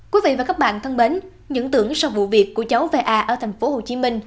quý vị và các bạn thân bến những tưởng sau vụ việc của cháu va ở tp hcm